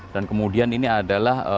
dan kemudian ini adalah